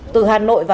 từ hà nội và